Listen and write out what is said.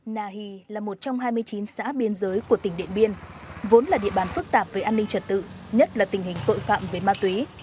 nahi là một trong hai mươi chín xã biên giới của tỉnh điện biên vốn là địa bàn phức tạp về an ninh trật tự nhất là tình hình tội phạm về ma túy